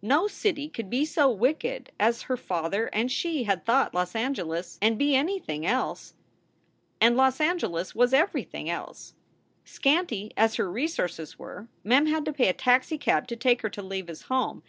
No city could be so wicked as her father and she had thought Los Angeles, and be anything else. And Los Angeles was everything else. Scanty as her resources were, Mem had to pay a taxi cab to take her to Leva s home.